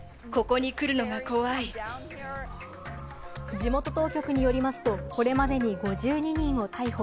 地元当局によりますと、これまでに５２人を逮捕。